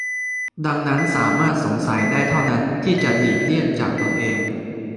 ดังนั้นสามารถสงสัยได้เท่านั้นที่จะหลีกเลี่ยงจากตัวเอง